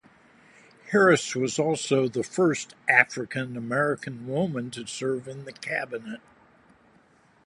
Harris was also the first African-American woman to serve in the Cabinet.